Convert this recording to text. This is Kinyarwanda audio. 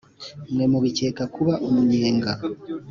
mwe mubikeka kuba umunyenga